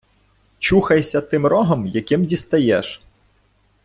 Чухайся тим рогом, яким дістаєш!